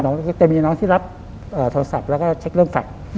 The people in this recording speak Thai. ก็จะมีน้องที่รับโทรศัพท์แล้วก็เช็คเรื่องฝาก